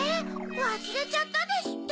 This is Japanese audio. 「わすれちゃった」ですって？